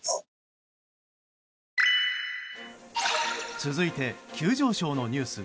続いて、急上昇のニュース。